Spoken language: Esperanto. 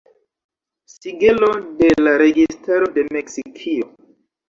Sigelo de la registaro de Meksikio.